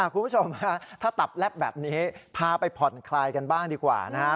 คุณผู้ชมถ้าตับแลบแบบนี้พาไปผ่อนคลายกันบ้างดีกว่านะฮะ